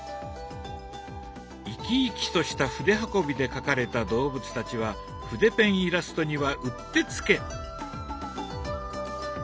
生き生きとした筆運びで描かれた動物たちは筆ペンイラストにはうってつけ！